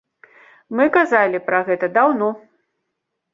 Мы казалі пра гэта даўно.